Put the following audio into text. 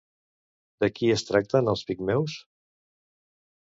De qui es tracten els Pigmeus?